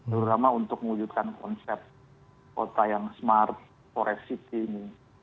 terutama untuk mengujudkan konsep kota yang smart forest city